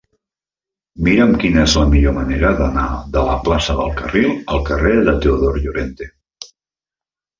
Mira'm quina és la millor manera d'anar de la plaça del Carril al carrer de Teodor Llorente.